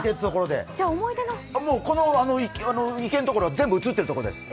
この池のところ、全部映ってるところです。